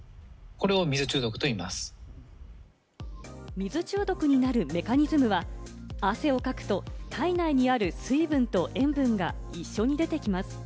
水中毒になるメカニズムは、汗をかくと、体内にある水分と塩分が一緒に出てきます。